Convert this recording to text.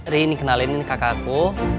ri ini kenalin kakak aku